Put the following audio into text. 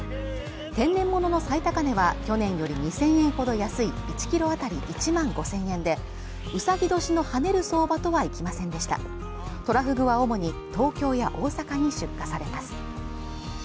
天然物の再高値は去年より２０００円ほど安い１ｋｇ当たり１万５０００円でうさぎ年の跳ねる相場とはいきませんでしたトラフグは主に東京や大阪に出荷されます